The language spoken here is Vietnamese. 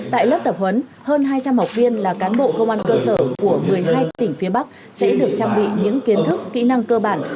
tại lớp tập huấn hơn hai trăm linh học viên là cán bộ công an cơ sở của một mươi hai tỉnh phía bắc sẽ được trang bị những kiến thức kỹ năng cơ bản